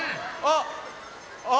あっ。